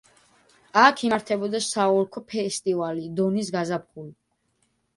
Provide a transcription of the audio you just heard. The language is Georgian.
აქ იმართებოდა საოლქო ფესტივალი „დონის გაზაფხული“.